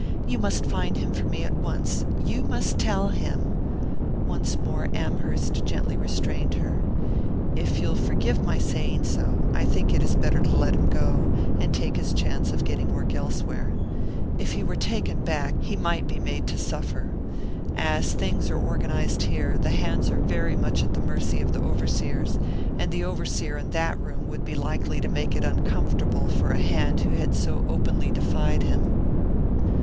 You must find him for me at once you must tell him " Once more Amherst gently restrained her. "If you'll forgive my saying so, I think it is better to let him go, and take his chance of getting work elsewhere. If he were taken back he might be made to suffer. As things are organized here, the hands are very much at the mercy of the overseers, and the overseer in that room would be likely to make it uncomfortable for a hand who had so openly defied him."